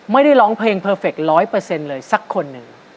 ร้องเพลงเพอร์เฟค๑๐๐เลยสักคนหนึ่ง